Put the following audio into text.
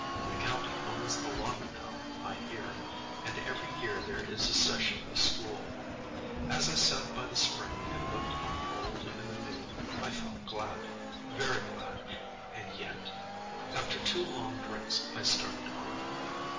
The county owns the lot now, I hear, and every year there is a session of school. As I sat by the spring and looked on the Old and the New I felt glad, very glad, and yet— After two long drinks I started on.